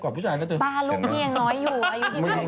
ป่าลูกพี่ยังน้อยอยู่อายุนะสองเอง